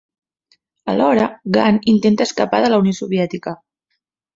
Alhora, Gant intenta escapar de la Unió Soviètica.